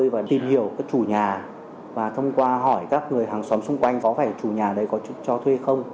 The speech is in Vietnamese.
và thông qua hỏi các người hàng xóm xung quanh có phải chủ nhà đấy có cho thuê không